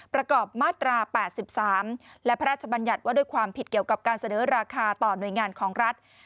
ประกอบมาตรา๘๓และพระราชบัญญัติว่าด้วยความผิดเกี่ยวกับการเสนอราคาต่อหน่วยงานของรัฐ